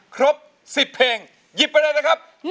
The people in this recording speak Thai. ครบ๑๐เพลงหยิบไปเลยนะครับ